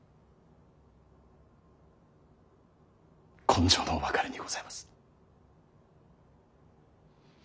今生の別れにございます。